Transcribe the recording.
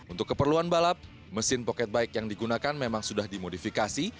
untuk keperluan balap mesin pocket bike yang digunakan memang sudah dimodifikasi